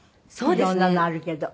色んなのあるけど。